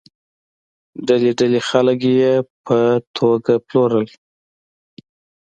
ډلې ډلې خلک یې په توګه پلورل.